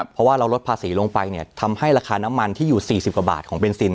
เพราะว่าเราลดภาษีลงไปเนี่ยทำให้ราคาน้ำมันที่อยู่๔๐กว่าบาทของเบนซิน